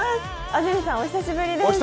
安住さん、お久しぶりです。